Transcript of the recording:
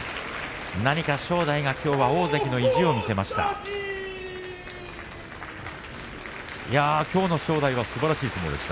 何か正代は、きょうは大関の意地を見せました。